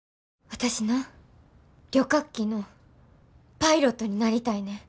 私な旅客機のパイロットになりたいねん。